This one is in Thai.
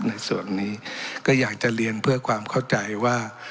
ในส่วนนี้ก็อยากจะเรียนเพื่อความเข้าใจว่า